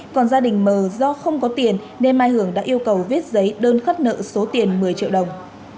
còn gia đình mờ do không có tiền nên mai hưởng đã yêu cầu viết giấy đơn khất nợ số tiền một mươi triệu đồng